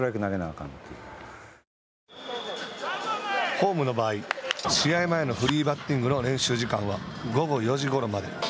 ホームの場合試合前のフリーバッティングの練習時間は、午後４時ごろまで。